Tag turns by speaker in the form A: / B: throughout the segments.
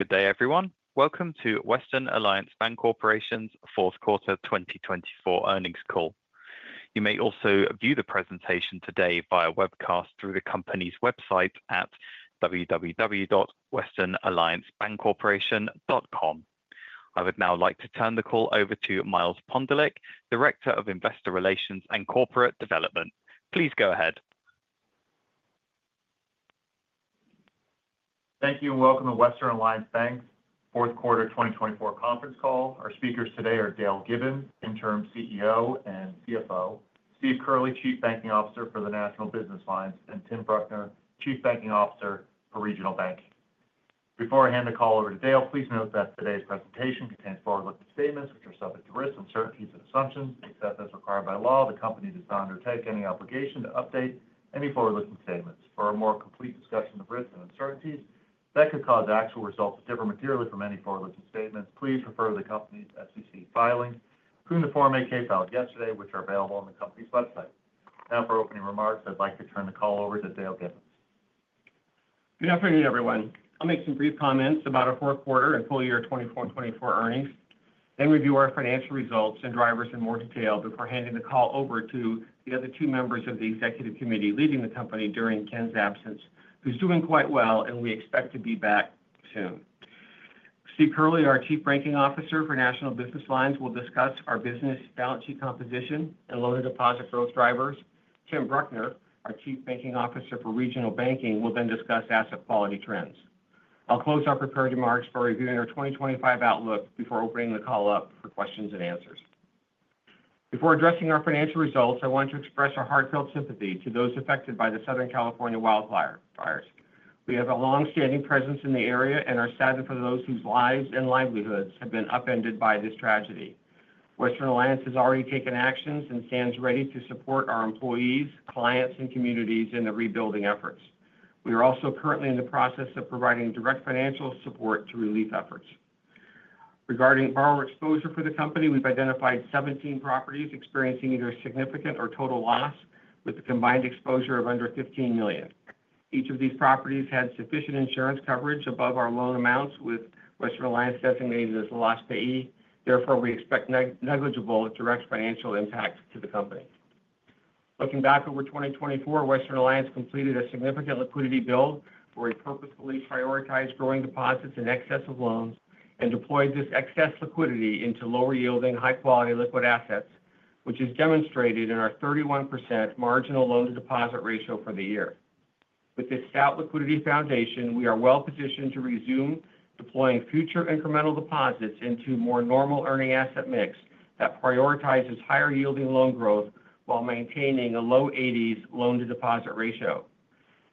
A: Good day, everyone. Welcome to Western Alliance Bancorporation's Fourth Quarter 2024 Earnings Call. You may also view the presentation today via webcast through the company's website at www.westernalliancebancorporation.com. I would now like to turn the call over to Miles Pondelik, Director of Investor Relations and Corporate Development. Please go ahead.
B: Thank you and welcome to Western Alliance Bank's Fourth Quarter 2024 Conference Call. Our speakers today are Dale Gibbons, Interim CEO and CFO; Steve Curley, Chief Banking Officer for the National Business Lines; and Tim Bruckner, Chief Banking Officer for Regional Banking. Before I hand the call over to Dale, please note that today's presentation contains forward-looking statements which are subject to risks and uncertainties and assumptions, except as required by law. The company does not undertake any obligation to update any forward-looking statements. For a more complete discussion of risks and uncertainties that could cause actual results to differ materially from any forward-looking statements, please refer to the company's SEC filings, including the 10-K filed yesterday, which are available on the company's website. Now, for opening remarks, I'd like to turn the call over to Dale Gibbons.
C: Good afternoon, everyone. I'll make some brief comments about our fourth quarter and full year 2024 earnings, then review our financial results and drivers in more detail before handing the call over to the other two members of the executive committee leading the company during Ken's absence, who's doing quite well, and we expect to be back soon. Steve Curley, our Chief Banking Officer for National Business Lines, will discuss our business balance sheet composition and loan and deposit growth drivers. Tim Bruckner, our Chief Banking Officer for Regional Banking, will then discuss asset quality trends. I'll close our prepared remarks by reviewing our 2025 outlook before opening the call up for questions and answers. Before addressing our financial results, I want to express our heartfelt sympathy to those affected by the Southern California wildfires. We have a long-standing presence in the area and are saddened for those whose lives and livelihoods have been upended by this tragedy. Western Alliance has already taken actions and stands ready to support our employees, clients, and communities in the rebuilding efforts. We are also currently in the process of providing direct financial support to relief efforts. Regarding borrower exposure for the company, we've identified 17 properties experiencing either significant or total loss, with the combined exposure of under $15 million. Each of these properties had sufficient insurance coverage above our loan amounts, with Western Alliance designated as the last payee. Therefore, we expect negligible direct financial impact to the company. Looking back over 2024, Western Alliance completed a significant liquidity build for a purposefully prioritized growing deposits in excess of loans and deployed this excess liquidity into lower-yielding, high-quality liquid assets, which is demonstrated in our 31% marginal loan-to-deposit ratio for the year. With this stout liquidity foundation, we are well positioned to resume deploying future incremental deposits into a more normal earning asset mix that prioritizes higher-yielding loan growth while maintaining a low 80s loan-to-deposit ratio.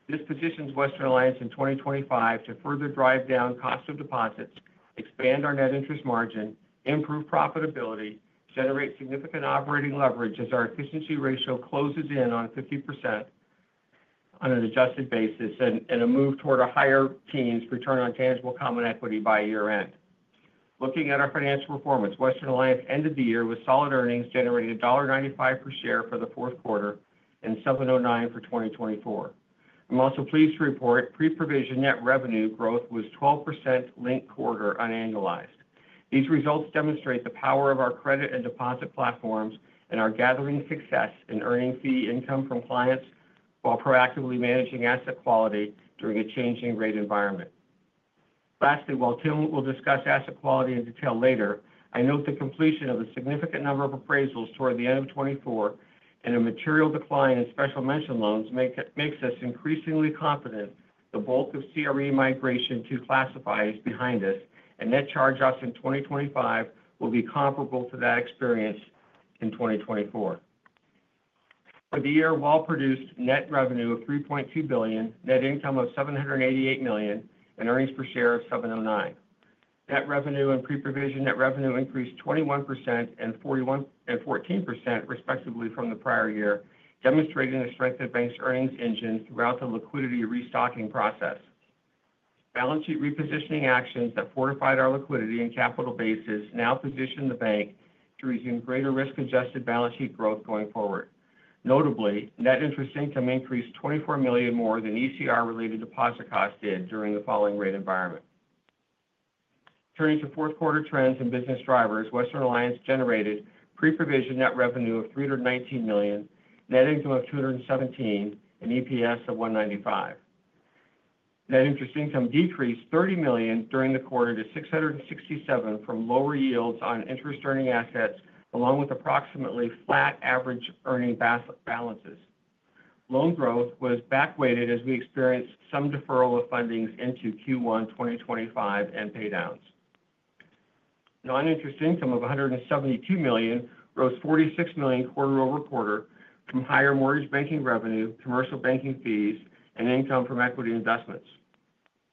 C: This positions Western Alliance in 2025 to further drive down cost of deposits, expand our net interest margin, improve profitability, and generate significant operating leverage as our efficiency ratio closes in on 50% on an adjusted basis and a move toward a higher teens return on tangible common equity by year-end. Looking at our financial performance, Western Alliance ended the year with solid earnings generating $1.95 per share for the fourth quarter and $7.09 for 2024. I'm also pleased to report pre-provision net revenue growth was 12% linked quarter on an annualized. These results demonstrate the power of our credit and deposit platforms and our gaining success in earning fee income from clients while proactively managing asset quality during a changing rate environment. Lastly, while Tim will discuss asset quality in detail later, I note the completion of a significant number of appraisals toward the end of 2024 and a material decline in special mention loans makes us increasingly confident the bulk of CRE migration to classifieds behind us and net charge-offs in 2025 will be comparable to that experience in 2024. For the year, WAL produced net revenue of $3.2 billion, net income of $788 million, and earnings per share of $7.09. Net revenue and pre-provision net revenue increased 21% and 14% respectively from the prior year, demonstrating the strength of the bank's earnings engine throughout the liquidity restocking process. Balance sheet repositioning actions that fortified our liquidity and capital bases now position the bank to resume greater risk-adjusted balance sheet growth going forward. Notably, net interest income increased $24 million more than ECR-related deposit costs did during the following rate environment. Turning to fourth quarter trends and business drivers, Western Alliance generated pre-provision net revenue of $319 million, net income of $217 million, and EPS of $1.95. Net interest income decreased $30 million during the quarter to $667 million from lower yields on interest-earning assets, along with approximately flat average earning balances. Loan growth was back-weighted as we experienced some deferral of fundings into Q1 2025 and pay downs. Non-interest income of $172 million rose $46 million quarter over quarter from higher mortgage banking revenue, commercial banking fees, and income from equity investments.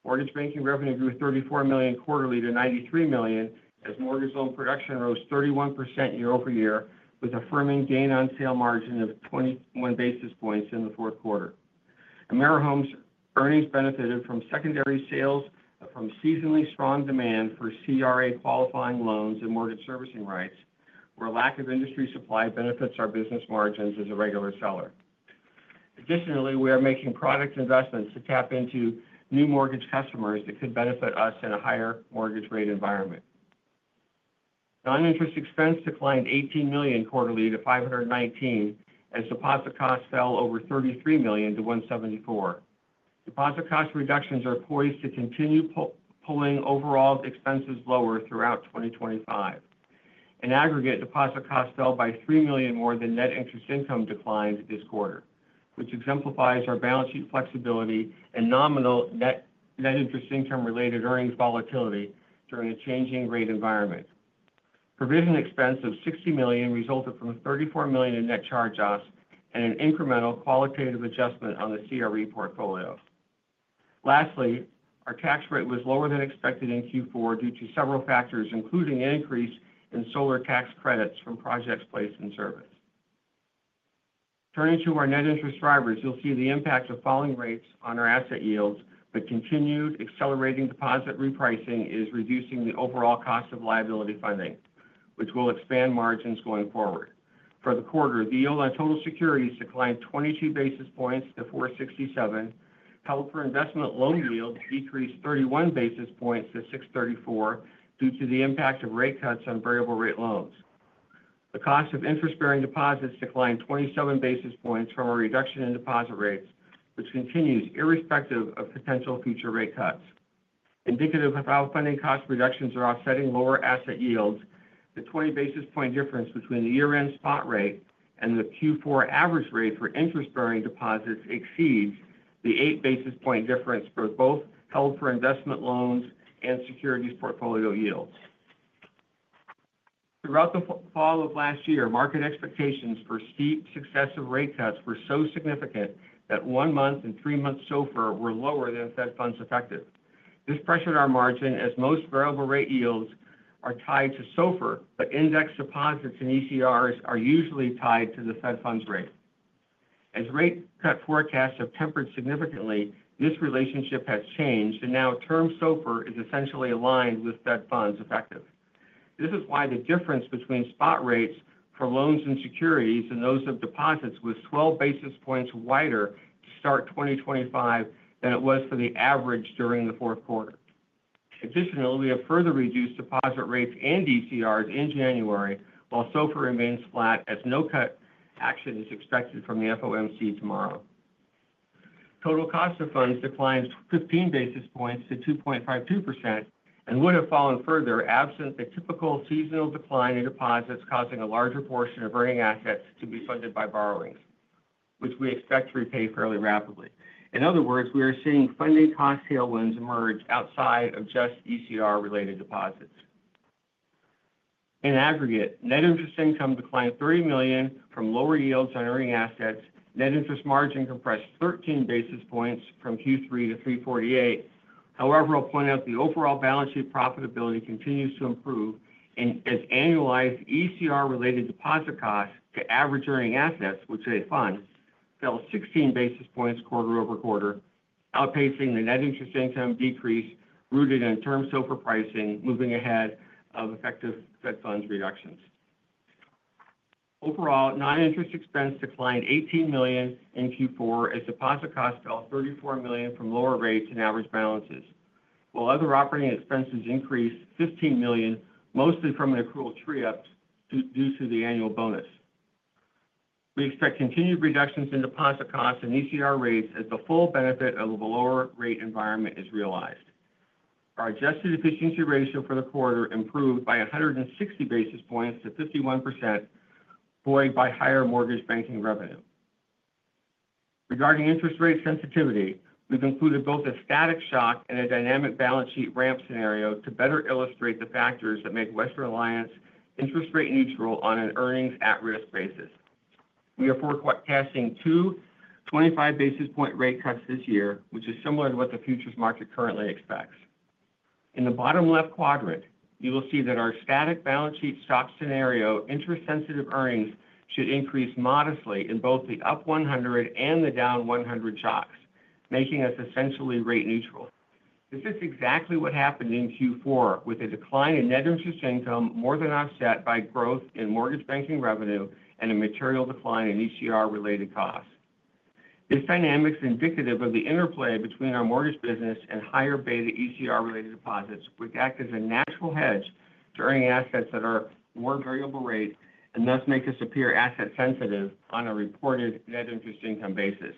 C: Mortgage banking revenue grew $34 million quarterly to $93 million as mortgage loan production rose 31% YoY, with a firming gain on sale margin of 21 basis points in the fourth quarter. AmeriHome's earnings benefited from secondary sales from seasonally strong demand for CRA qualifying loans and mortgage servicing rights, where a lack of industry supply benefits our business margins as a regular seller. Additionally, we are making product investments to tap into new mortgage customers that could benefit us in a higher mortgage rate environment. Non-interest expense declined $18 million quarterly to $519 million as deposit costs fell over $33 million to $174 million. Deposit cost reductions are poised to continue pulling overall expenses lower throughout 2025. In aggregate, deposit costs fell by $3 million more than net interest income declined this quarter, which exemplifies our balance sheet flexibility and nominal net interest income-related earnings volatility during a changing rate environment. Provision expense of $60 million resulted from $34 million in net charge-offs and an incremental qualitative adjustment on the CRE portfolio. Lastly, our tax rate was lower than expected in Q4 due to several factors, including an increase in solar tax credits from projects placed in service. Turning to our net interest drivers, you'll see the impact of falling rates on our asset yields, but continued accelerating deposit repricing is reducing the overall cost of liability funding, which will expand margins going forward. For the quarter, the yield on total securities declined 22 basis points to 4.67%. Held-for-investment loan yields decreased 31 basis points to 6.34% due to the impact of rate cuts on variable-rate loans. The cost of interest-bearing deposits declined 27 basis points from a reduction in deposit rates, which continues irrespective of potential future rate cuts. Indicative of how funding cost reductions are offsetting lower asset yields, the 20 basis point difference between the year-end spot rate and the Q4 average rate for interest-bearing deposits exceeds the 8 basis point difference for both held for investment loans and securities portfolio yields. Throughout the fall of last year, market expectations for steep successive rate cuts were so significant that one-month and three-month SOFR were lower than Fed funds rate. This pressured our margin as most variable-rate yields are tied to SOFR, but indexed deposits and ECRs are usually tied to the Fed funds rate. As rate cut forecasts have tempered significantly, this relationship has changed, and now term SOFR is essentially aligned with Fed funds effective. This is why the difference between spot rates for loans and securities and those of deposits was 12 basis points wider to start 2025 than it was for the average during the fourth quarter. Additionally, we have further reduced deposit rates and ECRs in January, while SOFR remains flat as no cut action is expected from the FOMC tomorrow. Total cost of funds declined 15 basis points to 2.52% and would have fallen further absent the typical seasonal decline in deposits causing a larger portion of earning assets to be funded by borrowings, which we expect to repay fairly rapidly. In other words, we are seeing funding cost tailwinds emerge outside of just ECR-related deposits. In aggregate, net interest income declined $30 million from lower yields on earning assets. Net interest margin compressed 13 basis points from Q3 to 3.48%. However, I'll point out the overall balance sheet profitability continues to improve as annualized ECR-related deposit costs to average earning assets, which they fund, fell 16 basis points quarter over quarter, outpacing the net interest income decrease rooted in term SOFR pricing moving ahead of effective Fed funds reductions. Overall, non-interest expense declined $18 million in Q4 as deposit costs fell $34 million from lower rates and average balances, while other operating expenses increased $15 million, mostly from an accrual true-up due to the annual bonus. We expect continued reductions in deposit costs and ECR rates as the full benefit of a lower rate environment is realized. Our adjusted efficiency ratio for the quarter improved by 160 basis points to 51%, buoyed by higher mortgage banking revenue. Regarding interest rate sensitivity, we've included both a static shock and a dynamic balance sheet ramp scenario to better illustrate the factors that make Western Alliance interest rate neutral on an earnings-at-risk basis. We are forecasting two 25 basis point rate cuts this year, which is similar to what the futures market currently expects. In the bottom left quadrant, you will see that our static balance sheet shock scenario interest-sensitive earnings should increase modestly in both the up 100 and the down 100 shocks, making us essentially rate neutral. This is exactly what happened in Q4 with a decline in net interest income more than offset by growth in mortgage banking revenue and a material decline in ECR-related costs. This dynamic is indicative of the interplay between our mortgage business and higher beta ECR-related deposits, which act as a natural hedge to earning assets that are more variable rate and thus make us appear asset-sensitive on a reported net interest income basis.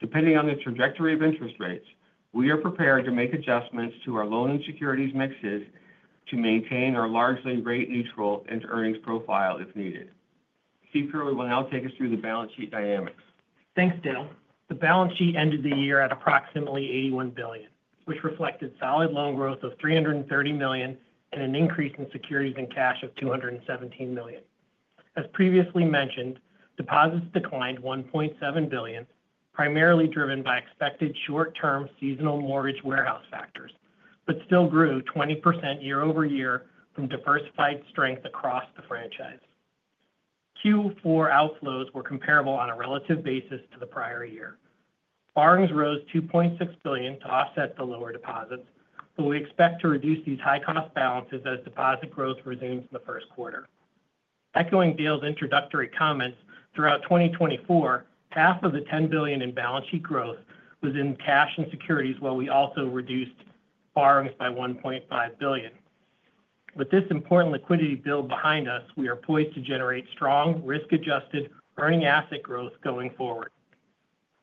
C: Depending on the trajectory of interest rates, we are prepared to make adjustments to our loan and securities mixes to maintain our largely rate neutral into earnings profile if needed. Steve Curley will now take us through the balance sheet dynamics.
D: Thanks, Dale. The balance sheet ended the year at approximately $81 billion, which reflected solid loan growth of $330 million and an increase in securities and cash of $217 million. As previously mentioned, deposits declined $1.7 billion, primarily driven by expected short-term seasonal mortgage warehouse factors, but still grew 20% YoY from diversified strength across the franchise. Q4 outflows were comparable on a relative basis to the prior year. Borrowings rose $2.6 billion to offset the lower deposits, but we expect to reduce these high-cost balances as deposit growth resumes in the first quarter. Echoing Dale's introductory comments, throughout 2024, $5 billion of the $10 billion in balance sheet growth was in cash and securities, while we also reduced borrowings by $1.5 billion. With this important liquidity build behind us, we are poised to generate strong, risk-adjusted earning asset growth going forward.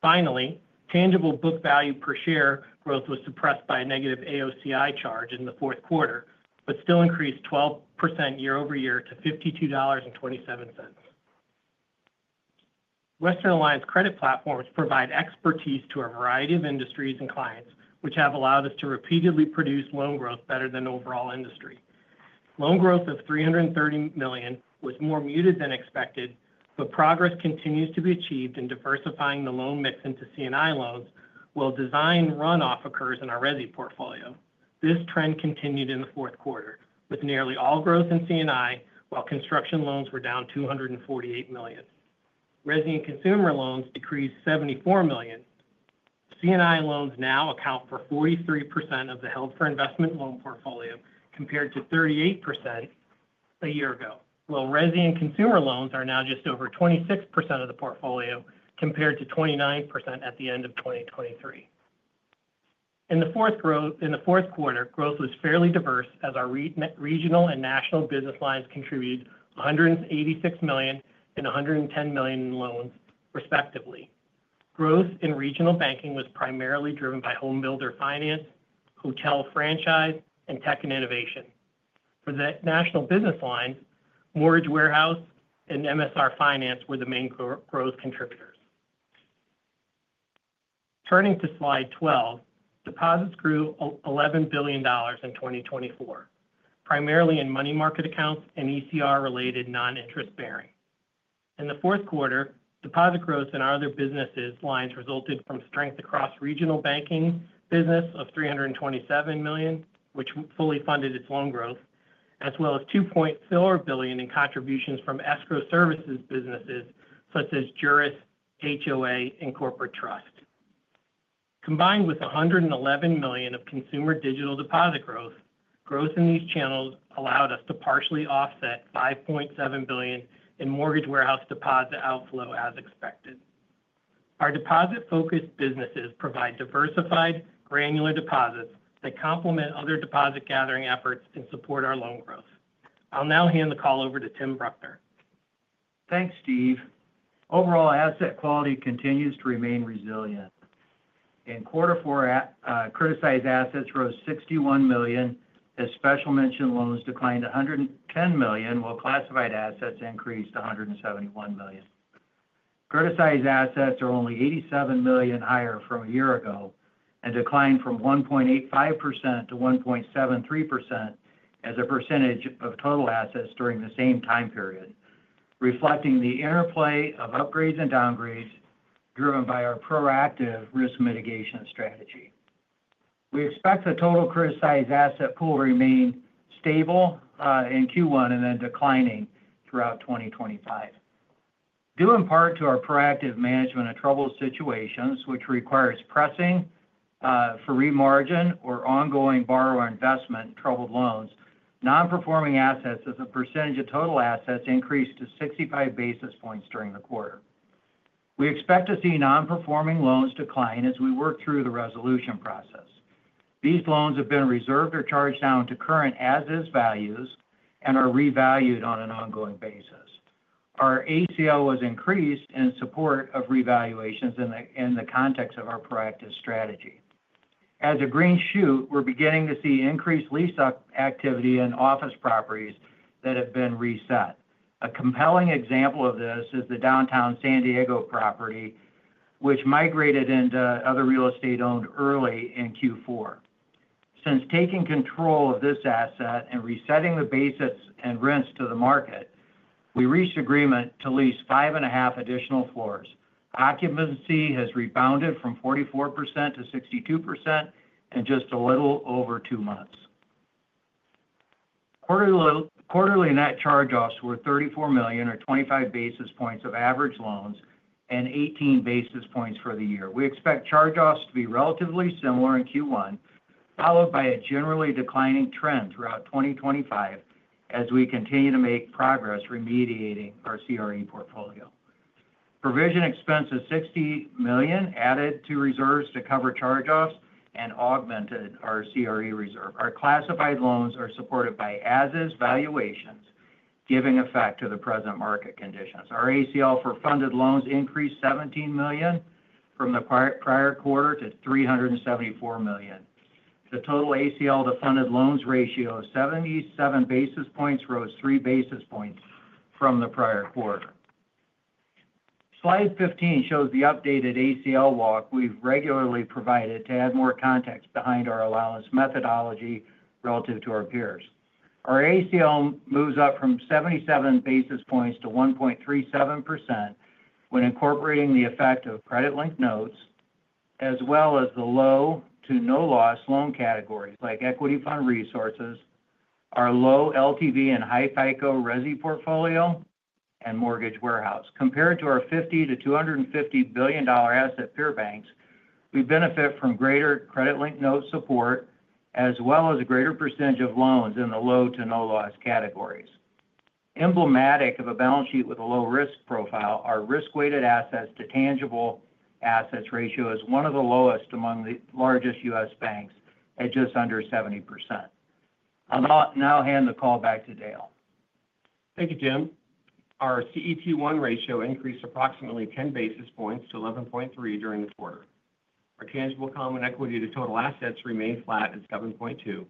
D: Finally, tangible book value per share growth was suppressed by a negative AOCI charge in the fourth quarter, but still increased 12% YoY to $52.27. Western Alliance Credit Platforms provide expertise to a variety of industries and clients, which have allowed us to repeatedly produce loan growth better than overall industry. Loan growth of $330 million was more muted than expected, but progress continues to be achieved in diversifying the loan mix into C&I loans while desired runoff occurs in our Resi portfolio. This trend continued in the fourth quarter with nearly all growth in C&I, while construction loans were down $248 million. Resi and consumer loans decreased $74 million. C&I loans now account for 43% of the held for investment loan portfolio compared to 38% a year ago, while Resi and consumer loans are now just over 26% of the portfolio compared to 29% at the end of 2023. In the fourth quarter, growth was fairly diverse as our regional and national business lines contributed $186 million and $110 million in loans, respectively. Growth in Regional Banking was primarily driven by Homebuilder Finance, Hotel Franchise, and Tech and Innovation. For the national business lines, Mortgage Warehouse and MSR Finance were the main growth contributors. Turning to slide 12, deposits grew $11 billion in 2024, primarily in money market accounts and ECR-related non-interest bearing. In the fourth quarter, deposit growth in our other business lines resulted from strength across Regional Banking business of $327 million, which fully funded its loan growth, as well as $2.4 billion in contributions from Escrow Services businesses such as Juris, HOA, and Corporate Trust. Combined with $111 million of consumer digital deposit growth, growth in these channels allowed us to partially offset $5.7 billion in Mortgage Warehouse deposit outflow as expected. Our deposit-focused businesses provide diversified granular deposits that complement other deposit gathering efforts and support our loan growth. I'll now hand the call over to Tim Bruckner.
E: Thanks, Steve. Overall, asset quality continues to remain resilient. In quarter four, criticized assets rose $61 million, as special mention loans declined $110 million, while classified assets increased to $171 million. Criticized assets are only $87 million higher from a year ago and declined from 1.85% to 1.73% as a percentage of total assets during the same time period, reflecting the interplay of upgrades and downgrades driven by our proactive risk mitigation strategy. We expect the total criticized asset pool to remain stable in Q1 and then declining throughout 2025. Due in part to our proactive management of troubled situations, which requires pressing for re-margin or ongoing borrower investment in troubled loans, non-performing assets as a percentage of total assets increased to 65 basis points during the quarter. We expect to see non-performing loans decline as we work through the resolution process. These loans have been reserved or charged down to current as-is values and are revalued on an ongoing basis. Our ACL was increased in support of revaluations in the context of our proactive strategy. As a green shoot, we're beginning to see increased lease activity in office properties that have been reset. A compelling example of this is the downtown San Diego property, which migrated into other real estate owned early in Q4. Since taking control of this asset and resetting the basics and rents to the market, we reached agreement to lease five and a half additional floors. Occupancy has rebounded from 44% to 62% in just a little over two months. Quarterly net charge-offs were $34 million, or 25 basis points of average loans, and 18 basis points for the year. We expect charge-offs to be relatively similar in Q1, followed by a generally declining trend throughout 2025 as we continue to make progress remediating our CRE portfolio. Provision expense of $60 million added to reserves to cover charge-offs and augmented our CRE reserve. Our classified loans are supported by as-is valuations, giving effect to the present market conditions. Our ACL for funded loans increased $17 million from the prior quarter to $374 million. The total ACL to funded loans ratio of 77 basis points rose 3 basis points from the prior quarter. Slide 15 shows the updated ACL walk we've regularly provided to add more context behind our allowance methodology relative to our peers. Our ACL moves up from 77 basis points to 1.37% when incorporating the effect of credit-linked notes, as well as the low to no-loss loan categories like equity fund recourse, our low LTV and high FICO Resi portfolio, and Mortgage Warehouse. Compared to our $50 billion-$250 billion asset peer banks, we benefit from greater credit-linked note support, as well as a greater percentage of loans in the low to no-loss categories. Emblematic of a balance sheet with a low risk profile, our risk-weighted assets to tangible assets ratio is one of the lowest among the largest U.S. banks at just under 70%. I'll now hand the call back to Dale.
C: Thank you, Tim. Our CET1 ratio increased approximately 10 basis points to 11.3% during the quarter. Our tangible common equity to total assets remained flat at 7.2%.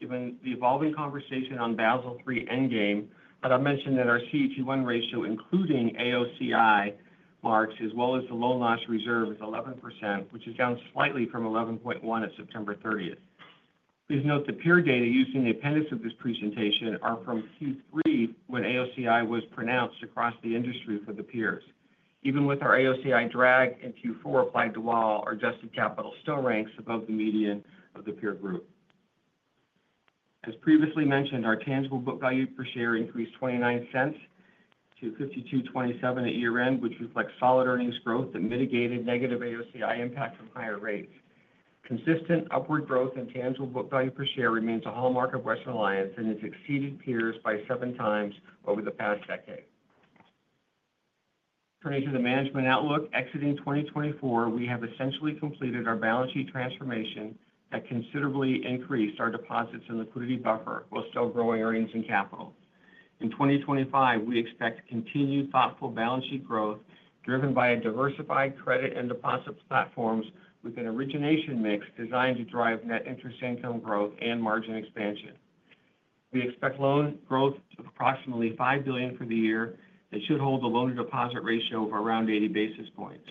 C: Given the evolving conversation on Basel III Endgame, I'll mention that our CET1 ratio, including AOCI marks, as well as the low loss reserve, is 11%, which is down slightly from 11.1 at September 30th. Please note the peer data using the appendix of this presentation are from Q3 when AOCI was pronounced across the industry for the peers. Even with our AOCI drag in Q4 applied to WAL, our adjusted capital still ranks above the median of the peer group. As previously mentioned, our tangible book value per share increased $0.29 to $52.27 at year-end, which reflects solid earnings growth that mitigated negative AOCI impact from higher rates. Consistent upward growth in tangible book value per share remains a hallmark of Western Alliance and has exceeded peers by seven times over the past decade. Turning to the management outlook, exiting 2024, we have essentially completed our balance sheet transformation that considerably increased our deposits and liquidity buffer while still growing earnings and capital. In 2025, we expect continued thoughtful balance sheet growth driven by a diversified credit and deposit platforms with an origination mix designed to drive net interest income growth and margin expansion. We expect loan growth of approximately $5 billion for the year that should hold a loan-to-deposit ratio of around 80 basis points.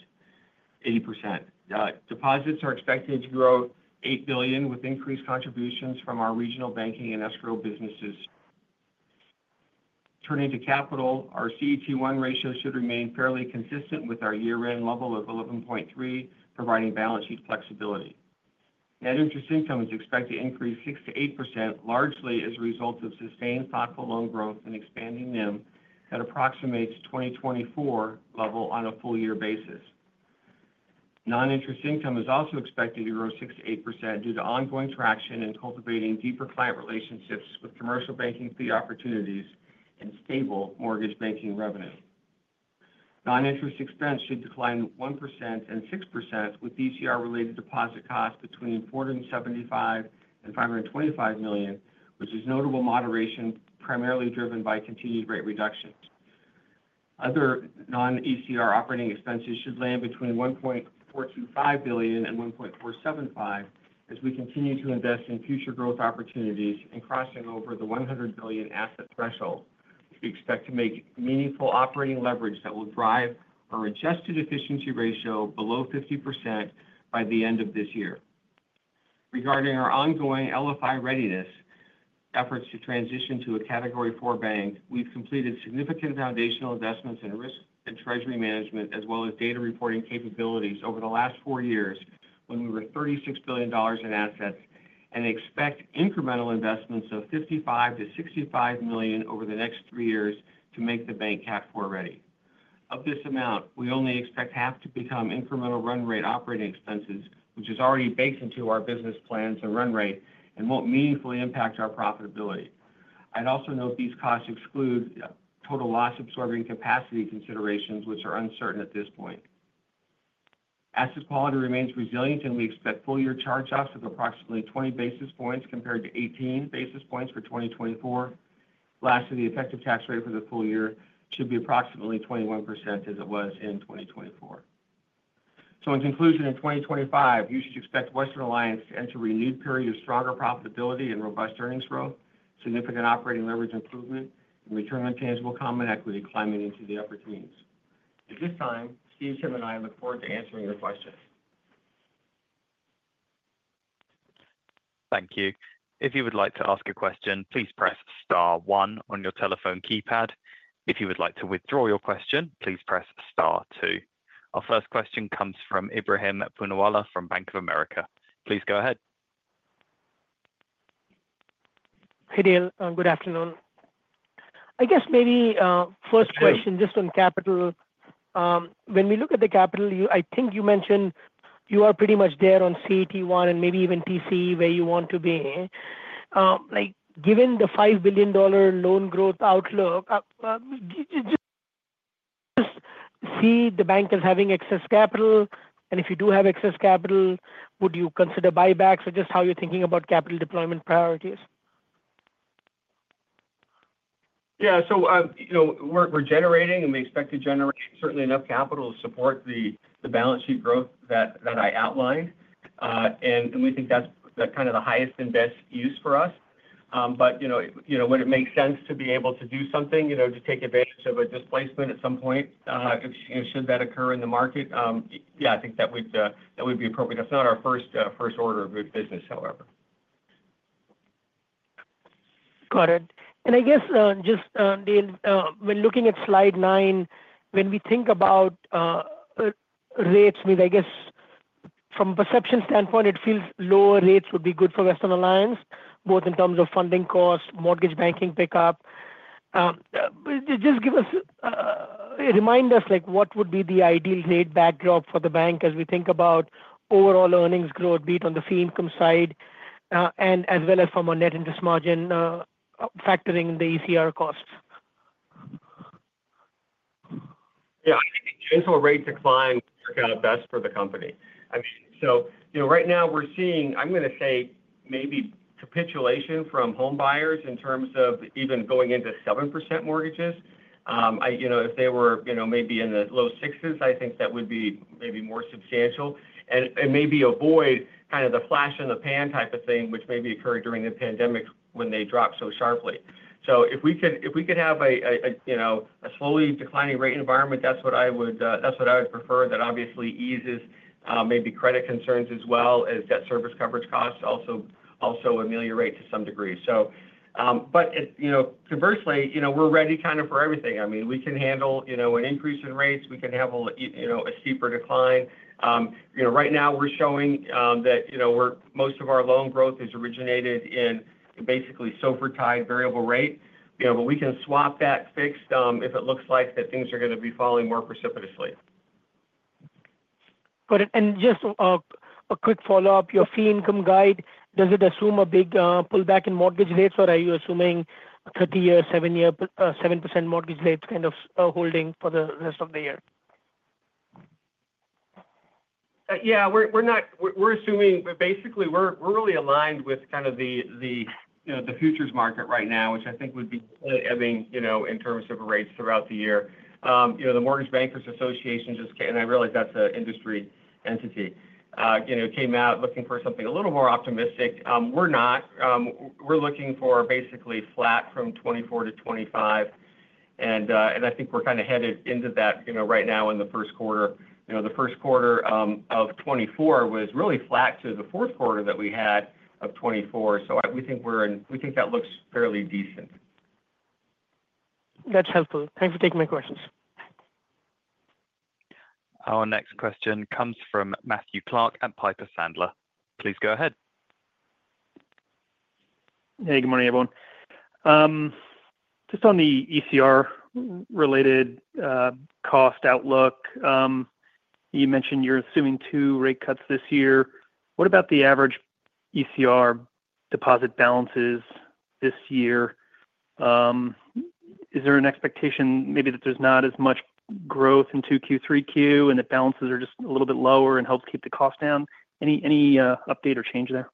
C: Deposits are expected to grow $8 billion with increased contributions from our Regional Banking and Escrow businesses. Turning to capital, our CET1 ratio should remain fairly consistent with our year-end level of 11.3, providing balance sheet flexibility. Net interest income is expected to increase 6%-8%, largely as a result of sustained thoughtful loan growth and expanding them at approximate 2024 level on a full-year basis. Non-interest income is also expected to grow 6%-8% due to ongoing traction and cultivating deeper client relationships with commercial banking fee opportunities and stable mortgage banking revenue. Non-interest expense should decline 1%-6% with ECR-related deposit costs between $475-$525 million, which is notable moderation primarily driven by continued rate reductions. Other non-ECR operating expenses should land between $1.425-$1.475 billion as we continue to invest in future growth opportunities and crossing over the $100 billion asset threshold. We expect to make meaningful operating leverage that will drive our adjusted efficiency ratio below 50% by the end of this year. Regarding our ongoing LFI readiness efforts to transition to a Category IV bank, we've completed significant foundational investments in risk and treasury management, as well as data reporting capabilities over the last four years when we were $36 billion in assets, and expect incremental investments of $55 million-$65 million over the next three years to make the bank Category IV ready. Of this amount, we only expect half to become incremental run rate operating expenses, which is already baked into our business plans and run rate and won't meaningfully impact our profitability. I'd also note these costs exclude total loss absorbing capacity considerations, which are uncertain at this point. Asset quality remains resilient, and we expect full-year charge-offs of approximately 20 basis points compared to 18 basis points for 2024. Lastly, the effective tax rate for the full year should be approximately 21% as it was in 2024. So, in conclusion, in 2025, you should expect Western Alliance to enter a renewed period of stronger profitability and robust earnings growth, significant operating leverage improvement, and return on tangible common equity climbing into the upper teens. At this time, Steve, Tim, and I look forward to answering your questions.
A: Thank you. If you would like to ask a question, please press star one on your telephone keypad. If you would like to withdraw your question, please press star two. Our first question comes from Ebrahim Poonawalla from Bank of America. Please go ahead.
F: Hey, Dale. Good afternoon. I guess maybe first question just on capital. When we look at the capital, I think you mentioned you are pretty much there on CET1 and maybe even TCE where you want to be. Given the $5 billion loan growth outlook, just see the bank as having excess capital, and if you do have excess capital, would you consider buybacks or just how you're thinking about capital deployment priorities?
C: Yeah. So, we're generating, and we expect to generate certainly enough capital to support the balance sheet growth that I outlined, and we think that's kind of the highest and best use for us. But would it make sense to be able to do something, to take advantage of a displacement at some point should that occur in the market? Yeah, I think that would be appropriate. That's not our first order of business, however. Got it.
F: And I guess just, Dale, when looking at slide nine, when we think about rates, I guess from a perception standpoint, it feels lower rates would be good for Western Alliance, both in terms of funding cost, mortgage banking pickup. Just remind us what would be the ideal rate backdrop for the bank as we think about overall earnings growth, be it on the fee income side, and as well as from our net interest margin factoring the ECR costs.
C: Yeah. I think if the interest rate declines, it would work out best for the company. I mean, so right now we're seeing, I'm going to say, maybe capitulation from home buyers in terms of even going into 7% mortgages. If they were maybe in the low 6s, I think that would be maybe more substantial, and maybe avoid kind of the flash in the pan type of thing, which maybe occurred during the pandemic when they dropped so sharply. So, if we could have a slowly declining rate environment, that's what I would prefer. That obviously eases maybe credit concerns as well as debt service coverage costs also ameliorate to some degree. So, but conversely, we're ready kind of for everything. I mean, we can handle an increase in rates. We can have a steeper decline. Right now, we're showing that most of our loan growth is originated in basically SOFR-tied variable rate, but we can swap that fixed if it looks like that things are going to be falling more precipitously.
F: Got it. And just a quick follow-up. Your fee income guide, does it assume a big pullback in mortgage rates, or are you assuming 30-year, 7% mortgage rates kind of holding for the rest of the year?
C: Yeah. We're assuming, but basically, we're really aligned with kind of the futures market right now, which I think would be good, I mean, in terms of rates throughout the year. The Mortgage Bankers Association, and I realize that's an industry entity, came out looking for something a little more optimistic. We're not. We're looking for basically flat from 2024 to 2025, and I think we're kind of headed into that right now in the first quarter. The first quarter of 2024 was really flat to the fourth quarter that we had of 2024. So, we think that looks fairly decent.
F: That's helpful. Thanks for taking my questions.
A: Our next question comes from Matthew Clark at Piper Sandler. Please go ahead.
G: Hey, good morning, everyone. Just on the ECR-related cost outlook, you mentioned you're assuming two rate cuts this year. What about the average ECR deposit balances this year? Is there an expectation maybe that there's not as much growth in Q2, Q3, and the balances are just a little bit lower and helps keep the cost down? Any update or change there?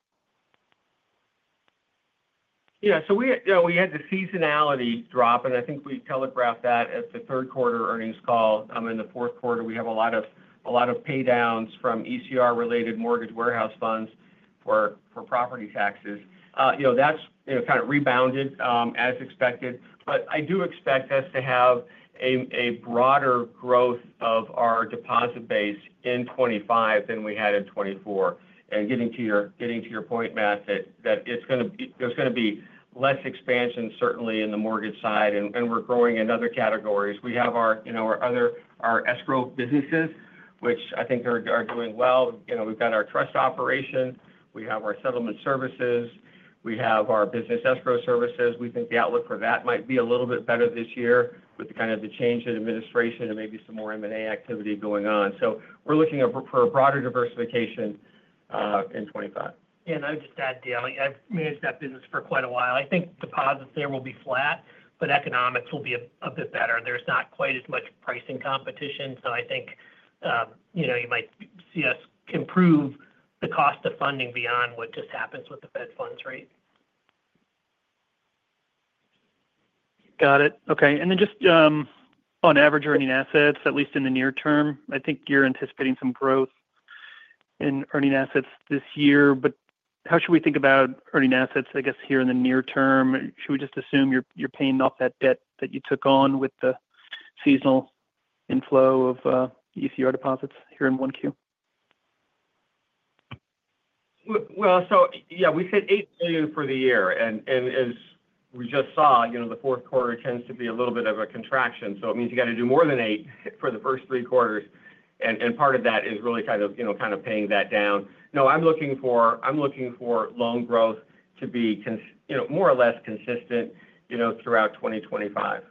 C: Yeah. So, we had the seasonality drop, and I think we telegraphed that at the third quarter earnings call. In the fourth quarter, we have a lot of paydowns from ECR-related Mortgage Warehouse funds for property taxes. That's kind of rebounded as expected, but I do expect us to have a broader growth of our deposit base in 2025 than we had in 2024. Getting to your point, Matt, that there's going to be less expansion, certainly, in the mortgage side, and we're growing in other categories. We have our Escrow businesses, which I think are doing well. We've got our Trust Operation. We have our Settlement Services. We have our Business Escrow Services. We think the outlook for that might be a little bit better this year with kind of the change in administration and maybe some more M&A activity going on. So, we're looking for a broader diversification in 2025.
D: Yeah. I would just add, Dale, I've managed that business for quite a while. I think deposits there will be flat, but economics will be a bit better. There's not quite as much pricing competition, so I think you might see us improve the cost of funding beyond what just happens with the Fed funds rate.
G: Got it. Okay. And then just on average earning assets, at least in the near term, I think you're anticipating some growth in earning assets this year, but how should we think about earning assets, I guess, here in the near term? Should we just assume you're paying off that debt that you took on with the seasonal inflow of ECR deposits here in 1Q?
C: Well, so, yeah, we said $8 billion for the year, and as we just saw, the fourth quarter tends to be a little bit of a contraction. So, it means you got to do more than eight for the first three quarters, and part of that is really kind of paying that down. No, I'm looking for loan growth to be more or less consistent throughout 2025.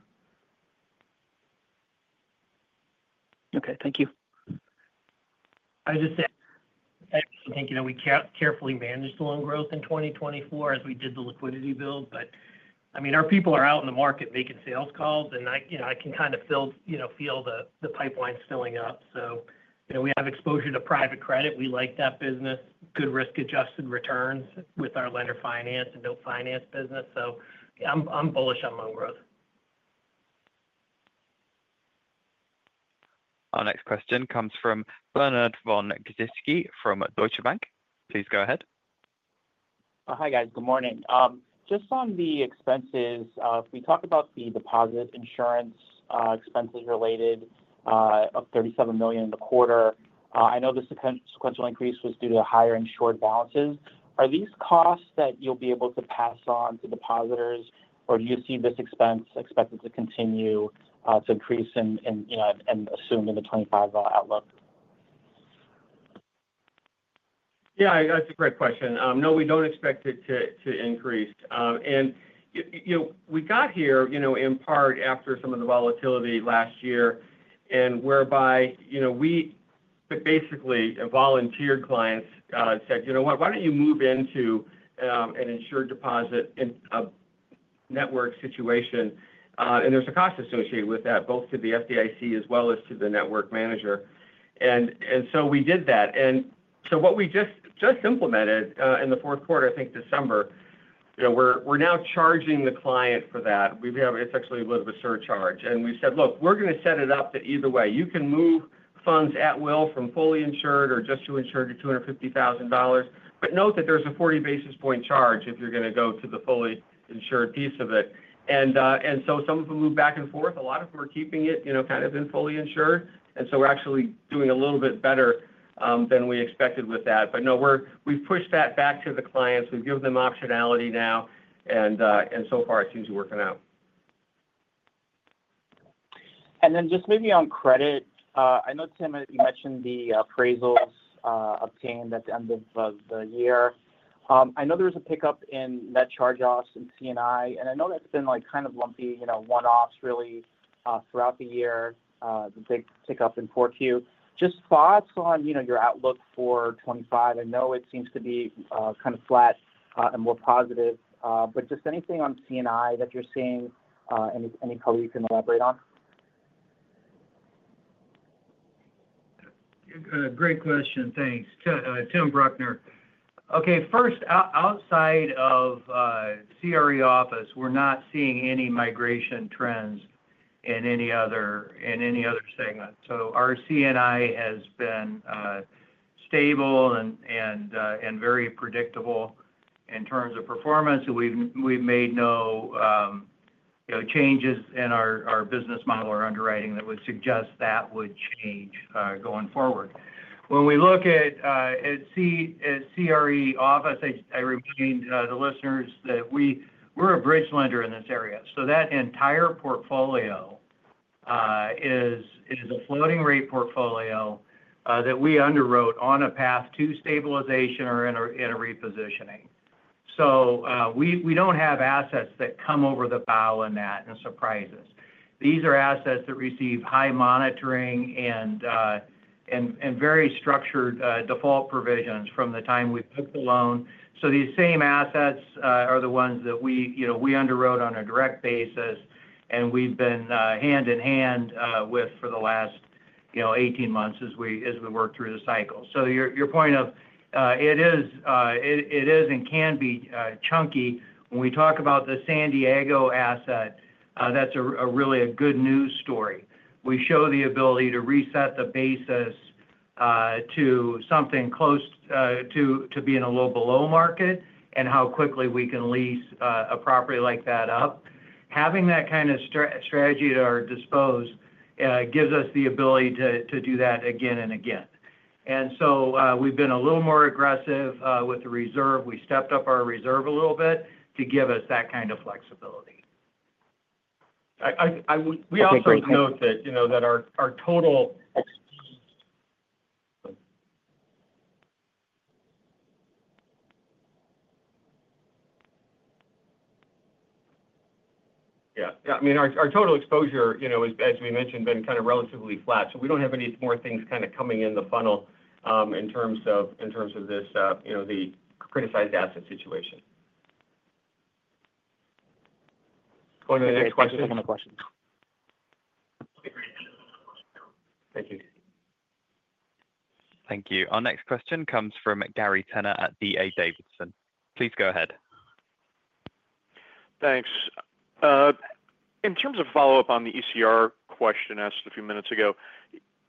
G: Okay. Thank you.
D: I just think we carefully managed the loan growth in 2024 as we did the liquidity build, but I mean, our people are out in the market making sales calls, and I can kind of feel the pipeline filling up. So, we have exposure to private credit. We like that business, good risk-adjusted returns with our Lender Finance and Note Finance business. So, I'm bullish on loan growth.
A: Our next question comes from Bernard von Gizycki from Deutsche Bank. Please go ahead.
H: Hi, guys. Good morning. Just on the expenses, we talked about the deposit insurance expenses related to $37 million in the quarter. I know the sequential increase was due to higher insured balances. Are these costs that you'll be able to pass on to depositors, or do you see this expense expected to continue to increase and assume in the 2025 outlook?
C: Yeah. That's a great question. No, we don't expect it to increase. And we got here in part after some of the volatility last year, and whereby we basically volunteered clients said, "You know what? Why don't you move into an insured deposit network situation?" And there's a cost associated with that, both to the FDIC as well as to the network manager. And so, we did that. And so, what we just implemented in the fourth quarter, I think December, we're now charging the client for that. It's actually a little bit surcharge. And we said, "Look, we're going to set it up that either way. You can move funds at will from fully insured or just to insured to $250,000, but note that there's a 40 basis point charge if you're going to go to the fully insured piece of it." And so, some of them move back and forth. A lot of them are keeping it kind of in fully insured, and so we're actually doing a little bit better than we expected with that. But no, we've pushed that back to the clients. We've given them optionality now, and so far, it seems to be working out.
H: And then just maybe on credit, I know, Tim, you mentioned the appraisals obtained at the end of the year. I know there was a pickup in net charge-offs in C&I, and I know that's been kind of lumpy, one-offs really throughout the year, the big pickup in 4Q. Just thoughts on your outlook for 2025? I know it seems to be kind of flat and more positive, but just anything on C&I that you're seeing, any color you can elaborate on?
E: Great question. Thanks. Tim Bruckner. Okay. First, outside of CRE office, we're not seeing any migration trends in any other segment. So, our C&I has been stable and very predictable in terms of performance, and we've made no changes in our business model or underwriting that would suggest that would change going forward. When we look at CRE office, I remind the listeners that we're a bridge lender in this area. So, that entire portfolio is a floating rate portfolio that we underwrote on a path to stabilization or in a repositioning. So, we don't have assets that come over the bow and that surprises. These are assets that receive high monitoring and very structured default provisions from the time we booked the loan. So, these same assets are the ones that we underwrote on a direct basis, and we've been hand in hand with for the last 18 months as we work through the cycle. So, your point of it is and can be chunky. When we talk about the San Diego asset, that's really a good news story. We show the ability to reset the basis to something close to being a little below market and how quickly we can lease a property like that up. Having that kind of strategy at our disposal gives us the ability to do that again and again. And so, we've been a little more aggressive with the reserve. We stepped up our reserve a little bit to give us that kind of flexibility.
C: We also note that our total. I mean, our total exposure, as we mentioned, has been kind of relatively flat. So, we don't have any more things kind of coming in the funnel in terms of the criticized asset situation.
H: [Thank you for taking my] question.
C: Thank you.
A: Thank you. Our next question comes from Gary Tenner at D.A. Davidson. Please go ahead.
I: Thanks. In terms of follow-up on the ECR question asked a few minutes ago,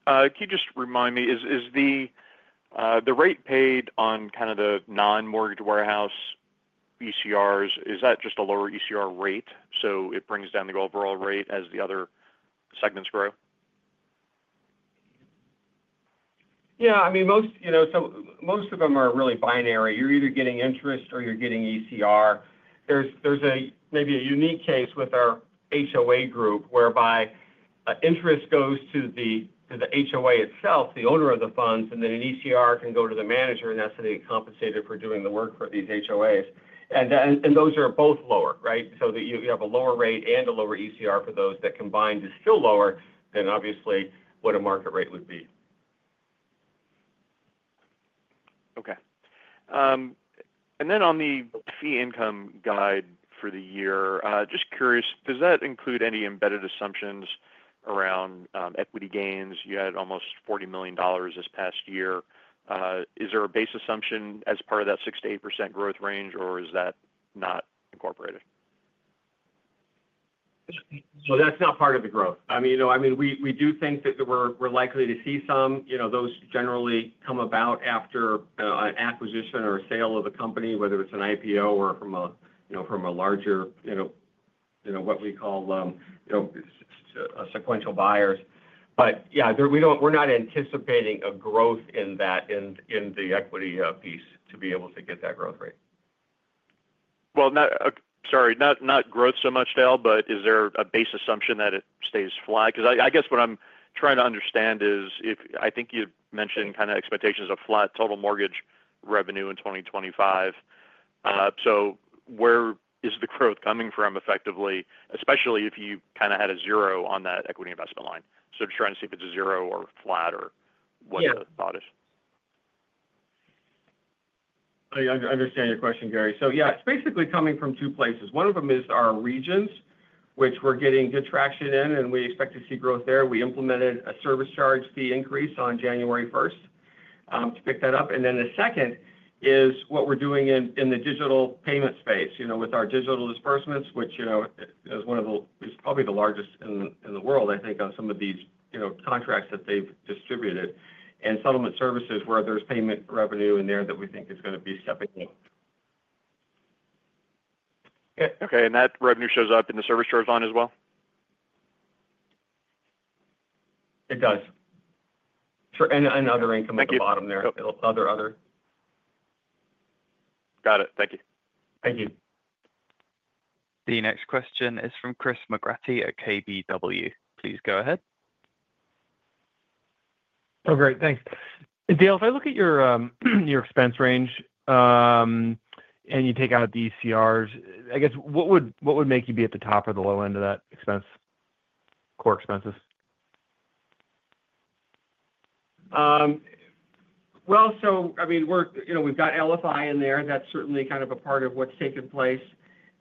I: can you just remind me, is the rate paid on kind of the non-Mortgage Warehouse ECRs, is that just a lower ECR rate? So, it brings down the overall rate as the other segments grow?
C: Yeah. I mean, most of them are really binary. You're either getting interest or you're getting ECR. There's maybe a unique case with our HOA group whereby interest goes to the HOA itself, the owner of the funds, and then an ECR can go to the manager, and that's going to get compensated for doing the work for these HOAs. And those are both lower, right? So, you have a lower rate and a lower ECR for those that combined is still lower than, obviously, what a market rate would be.
I: Okay. And then on the fee income guide for the year, just curious, does that include any embedded assumptions around equity gains? You had almost $40 million this past year. Is there a base assumption as part of that 6%-8% growth range, or is that not incorporated?
C: So, that's not part of the growth. I mean, we do think that we're likely to see some. Those generally come about after an acquisition or a sale of a company, whether it's an IPO or from a larger what we call sequential buyers. But yeah, we're not anticipating a growth in that in the equity piece to be able to get that growth rate.
I: Well, sorry, not growth so much, Dale, but is there a base assumption that it stays flat? Because I guess what I'm trying to understand is I think you mentioned kind of expectations of flat total mortgage revenue in 2025. So, where is the growth coming from effectively, especially if you kind of had a zero on that equity investment line? So, just trying to see if it's a zero or flat or what the thought is?
C: I understand your question, Gary. So, yeah, it's basically coming from two places. One of them is our regions, which we're getting good traction in, and we expect to see growth there. We implemented a service charge fee increase on January 1st to pick that up. And then the second is what we're doing in the digital payment space with our Digital Disbursements, which is probably the largest in the world, I think, on some of these contracts that they've distributed, and settlement services where there's payment revenue in there that we think is going to be stepping up.
I: Okay. And that revenue shows up in the service charges line as well?
C: It does. And other income at the bottom there.
I: Got it. Thank you.
C: Thank you.
A: The next question is from Chris McGratty at KBW. Please go ahead.
J: Oh, great. Thanks. Dale, if I look at your expense range and you take out the ECRs, I guess, what would make you be at the top or the low end of that expense, core expenses?
C: Well, so, I mean, we've got LFI in there. That's certainly kind of a part of what's taken place.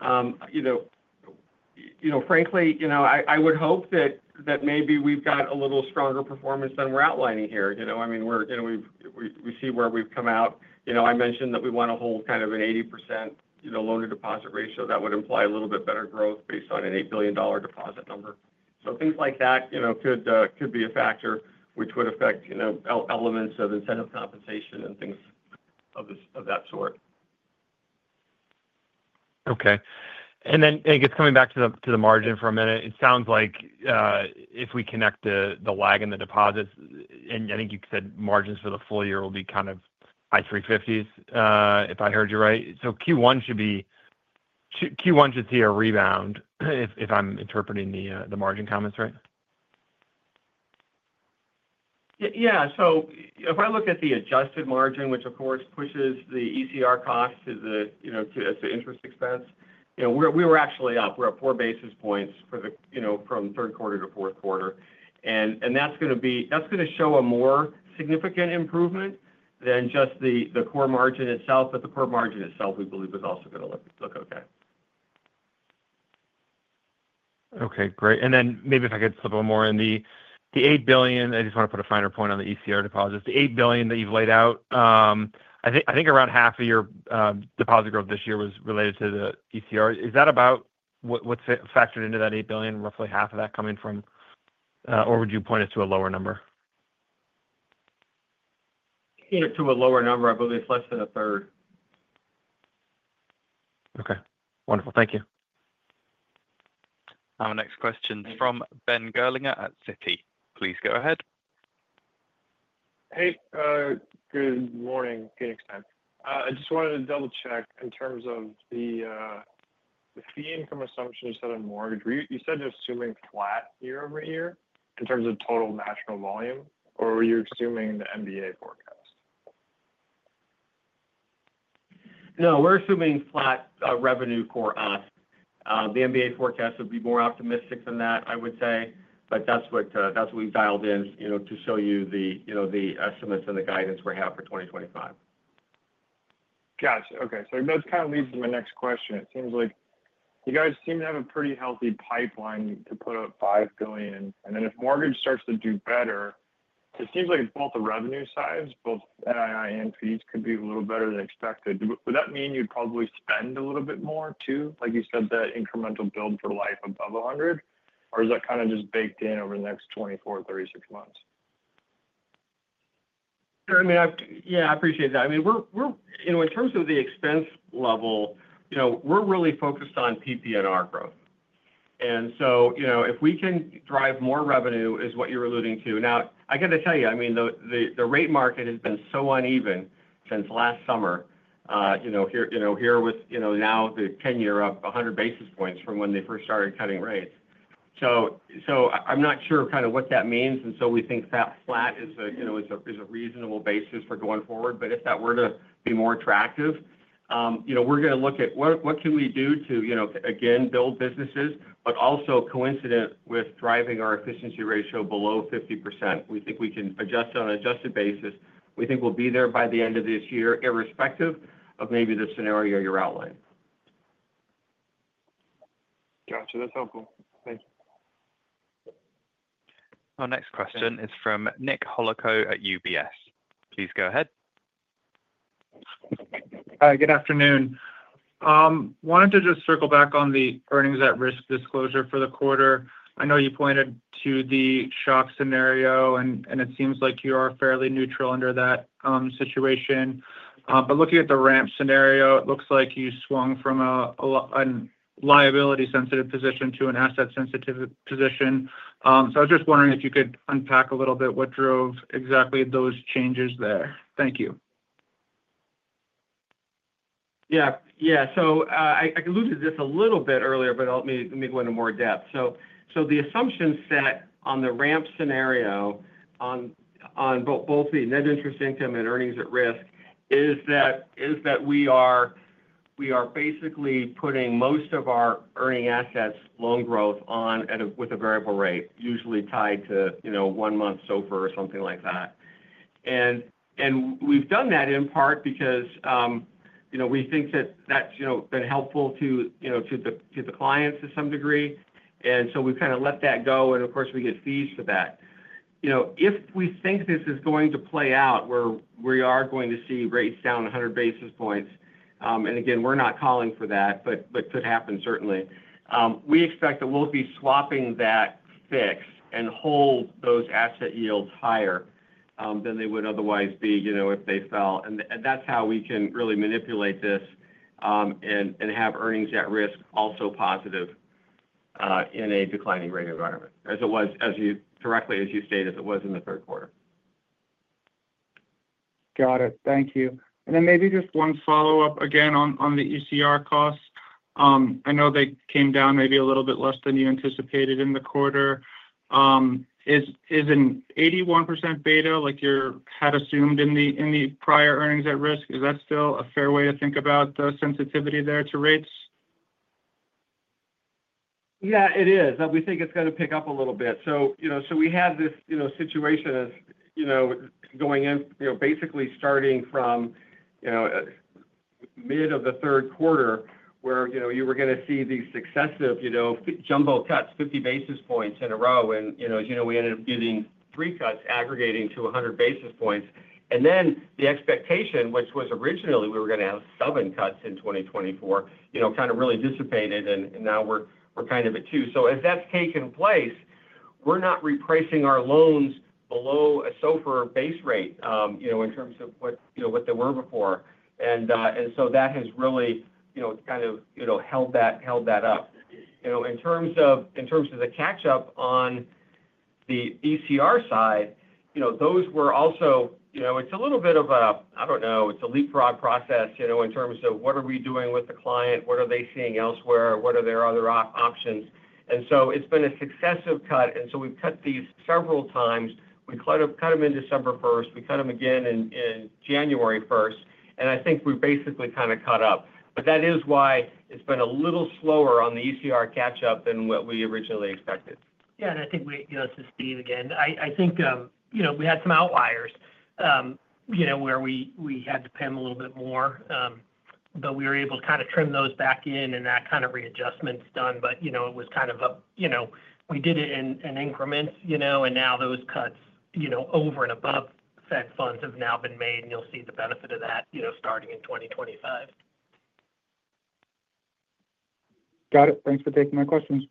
C: Frankly, I would hope that maybe we've got a little stronger performance than we're outlining here. I mean, we see where we've come out. I mentioned that we want to hold kind of an 80% loan-to-deposit ratio. That would imply a little bit better growth based on an $8 billion deposit number. So, things like that could be a factor which would affect elements of incentive compensation and things of that sort.
J: Okay. And then, I guess coming back to the margin for a minute, it sounds like if we connect the lag in the deposits, and I think you said margins for the full year will be kind of high 350s, if I heard you right. So, Q1 should see a rebound, if I'm interpreting the margin comments right.
C: Yeah. So, if I look at the adjusted margin, which of course pushes the ECR cost as the interest expense, we were actually up. We're up 4 basis points from third quarter to fourth quarter. And that's going to show a more significant improvement than just the core margin itself, but the core margin itself, we believe, is also going to look okay.
J: Okay. Great. And then maybe if I could slip a little more in the $8 billion, I just want to put a finer point on the ECR deposits. The $8 billion that you've laid out, I think around half of your deposit growth this year was related to the ECR. Is that about what's factored into that $8 billion, roughly half of that coming from, or would you point us to a lower number?
C: To a lower number, I believe, less than a third.
J: Okay. Wonderful. Thank you.
A: Our next question is from Ben Gerlinger at Citi. Please go ahead.
K: Hey. Good morning, everyone. I just wanted to double-check in terms of the fee income assumptions set on mortgage. You said you're assuming flat year over year in terms of total national volume, or were you assuming the MBA forecast?
C: No, we're assuming flat revenue for us. The MBA forecast would be more optimistic than that, I would say, but that's what we've dialed in to show you the estimates and the guidance we have for 2025.
K: Gotcha. Okay. So, that kind of leads to my next question. It seems like you guys seem to have a pretty healthy pipeline to put up $5 billion. And then if mortgage starts to do better, it seems like both the revenue sides, both NII and fees, could be a little better than expected. Would that mean you'd probably spend a little bit more too, like you said, that incremental build for LDR above 100, or is that kind of just baked in over the next 24-36 months?
C: Yeah. I appreciate that. I mean, in terms of the expense level, we're really focused on PPNR growth. And so, if we can drive more revenue, is what you're alluding to. Now, I got to tell you, I mean, the rate market has been so uneven since last summer here with now the 10-year up 100 basis points from when they first started cutting rates. So, I'm not sure kind of what that means. And so, we think that flat is a reasonable basis for going forward. But if that were to be more attractive, we're going to look at what can we do to, again, build businesses, but also coincident with driving our efficiency ratio below 50%. We think we can adjust on an adjusted basis. We think we'll be there by the end of this year, irrespective of maybe the scenario you're outlining.
K: Gotcha. That's helpful. Thanks.
A: Our next question is from Nick Holowko at UBS. Please go ahead.
L: Hi. Good afternoon. Wanted to just circle back on the earnings at risk disclosure for the quarter. I know you pointed to the shock scenario, and it seems like you are fairly neutral under that situation. But looking at the ramp scenario, it looks like you swung from a liability-sensitive position to an asset-sensitive position. So, I was just wondering if you could unpack a little bit what drove exactly those changes there. Thank you.
C: Yeah. Yeah. So, I alluded to this a little bit earlier, but let me go into more depth. So, the assumption set on the ramp scenario on both the net interest income and earnings at risk is that we are basically putting most of our earning assets loan growth on with a variable rate, usually tied to one-month SOFR or something like that. And we've done that in part because we think that that's been helpful to the clients to some degree. And so, we've kind of let that go. And of course, we get fees for that. If we think this is going to play out where we are going to see rates down 100 basis points, and again, we're not calling for that, but could happen, certainly, we expect that we'll be swapping that fix and hold those asset yields higher than they would otherwise be if they fell. And that's how we can really manipulate this and have earnings at risk also positive in a declining rate environment, as directly as you stated as it was in the third quarter.
L: Got it. Thank you. And then maybe just one follow-up again on the ECR costs. I know they came down maybe a little bit less than you anticipated in the quarter. Is an 81% beta like you had assumed in the prior earnings at risk, is that still a fair way to think about the sensitivity there to rates?
C: Yeah, it is. We think it's going to pick up a little bit. So, we had this situation of going in, basically starting from mid of the third quarter where you were going to see these successive jumbo cuts, 50 basis points in a row. And as you know, we ended up getting three cuts aggregating to 100 basis points. And then the expectation, which was originally we were going to have seven cuts in 2024, kind of really dissipated, and now we're kind of at two. So, as that's taken place, we're not repricing our loans below a SOFR base rate in terms of what they were before. And so, that has really kind of held that up. In terms of the catch-up on the ECR side, those were also it's a little bit of a, I don't know, it's a leapfrog process in terms of what are we doing with the client, what are they seeing elsewhere, what are their other options. And so, it's been a successive cut. And so, we've cut these several times. We cut them in December 1st. We cut them again in January 1st. And I think we've basically kind of caught up. But that is why it's been a little slower on the ECR catch-up than what we originally expected.
D: Yeah. And I think we, this is Steve again. I think we had some outliers where we had to bump a little bit more, but we were able to kind of trim those back in, and that kind of readjustment's done. But it was kind of a—we did it in increments, and now those cuts over and above Fed funds have now been made, and you'll see the benefit of that starting in 2025.
L: Got it. Thanks for taking my questions.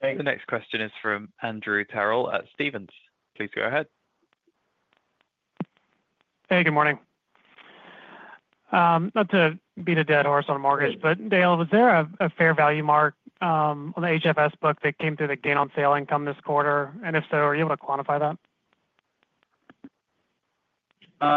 C: Thanks.
A: The next question is from Andrew Terrell at Stephens. Please go ahead.
M: Hey. Good morning. Not to beat a dead horse on mortgage, but Dale, was there a fair value mark on the HFS book that came through the gain on sale income this quarter? And if so, are you able to quantify that?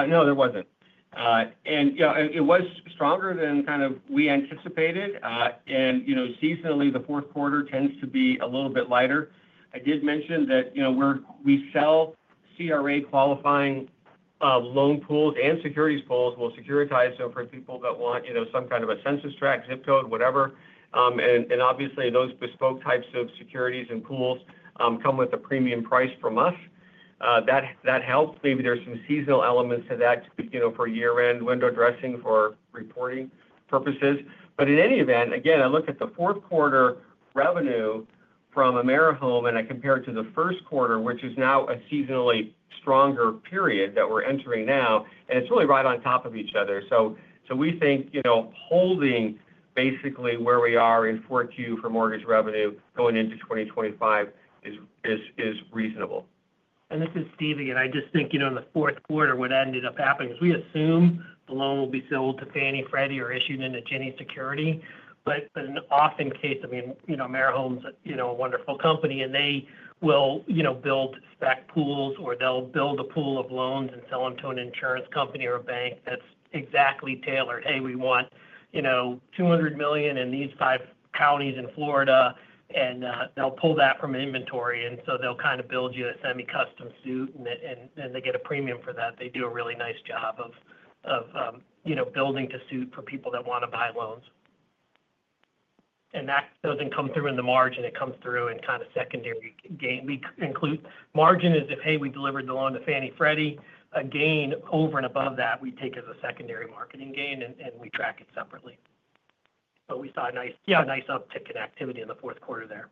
C: No, there wasn't. And it was stronger than kind of we anticipated. And seasonally, the fourth quarter tends to be a little bit lighter. I did mention that we sell CRA qualifying loan pools and securities pools. We'll securitize them for people that want some kind of a census tract, zip code, whatever. Obviously, those bespoke types of securities and pools come with a premium price from us. That helps. Maybe there's some seasonal elements to that for year-end window dressing for reporting purposes. But in any event, again, I look at the fourth quarter revenue from AmeriHome and I compare it to the first quarter, which is now a seasonally stronger period that we're entering now. It's really right on top of each other. So, we think holding basically where we are in 4Q for mortgage revenue going into 2025 is reasonable.
D: This is Steve again. I just think in the fourth quarter, what ended up happening is we assume the loan will be sold to Fannie, Freddie, or issued into Ginnie security. But in most cases, I mean, AmeriHome's a wonderful company, and they will build static pools, or they'll build a pool of loans and sell them to an insurance company or a bank that's exactly tailored. "Hey, we want $200 million in these five counties in Florida," and they'll pull that from inventory. And so, they'll kind of build you a semi-custom suit, and they get a premium for that. They do a really nice job of building to suit for people that want to buy loans. And that doesn't come through in the margin. It comes through in kind of secondary gain. Margin is if, hey, we delivered the loan to Fannie, Freddie. A gain over and above that, we take as a secondary marketing gain, and we track it separately. But we saw a nice uptick in activity in the fourth quarter there.